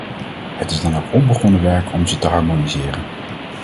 Het is dan ook onbegonnen werk om ze te harmoniseren.